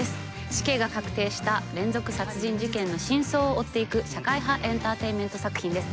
死刑が確定した連続殺人事件の真相を追っていく社会派エンターテインメント作品です。